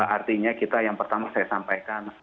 artinya kita yang pertama saya sampaikan